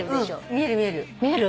見える見える。